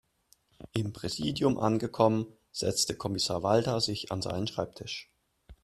Im Präsidium angekommen, setzte Kommissar Walter sich an seinen Schreibtisch.